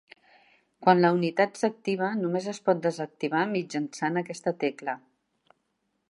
Quan la unitat s'activa, només es pot desactivar mitjançant aquesta tecla.